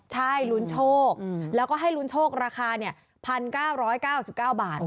ใช่ลุ้นโชคแล้วก็ให้ลุ้นโชคราคา๑๙๙๙บาท